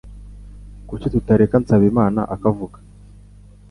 Kuki tutareka tsabimana akavuga